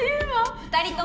２人とも。